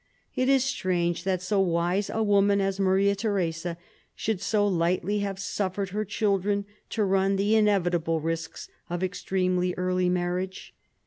It is strange that so wise a woman as Maria Theresa should so lightly have suffered her children to run the inevitable risks of extremely early marriage.